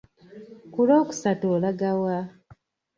Ku lwokusatu olaga wa?